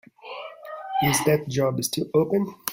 Is that job still open?